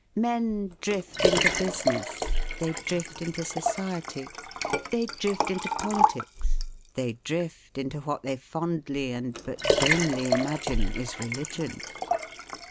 Men drift into business. They drift into society. They drift into politics. They drift into what they fondly and but vainly imagine is religion.